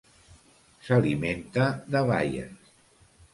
S'alimenta de baies.